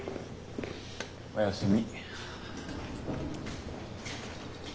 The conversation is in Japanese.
おやすみ。